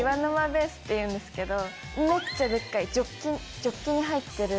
っていうんですけどめっちゃデッカいジョッキに入ってる。